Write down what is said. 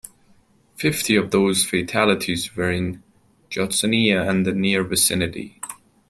Fifty of those fatalities were in Judsonia and the near vicinity.